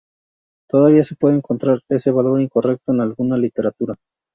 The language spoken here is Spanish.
Todavía se puede encontrar ese valor incorrecto en alguna literatura.